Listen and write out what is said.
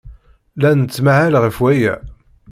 La nettmahal ɣef waya.